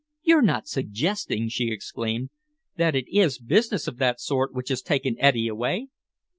"You're not suggesting," she exclaimed, "that it is business of that sort which has taken Eddy away!"